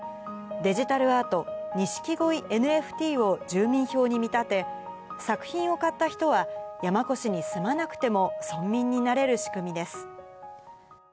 デジタルアート、ニシキゴイＮＦＴを住民票に見立て、作品を買った人は山古志に住まなくても村民になれる仕組みです。